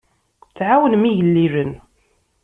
Tɛawnem igellilen.